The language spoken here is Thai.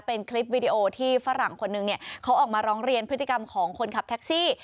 เป็นคลิปวิดีโอที่ฝรั่งคนนึงเนี่ยเขาออกมาร้องเรียนพฤติกรรมของคนขับแท็กซี่